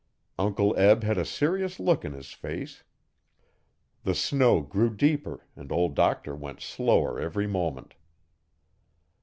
Uncle Eb had a serious look in his face. The snow grew deeper and Old Doctor went slower every moment.